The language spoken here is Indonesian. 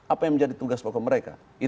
apa yang menjadi tugas pokok mereka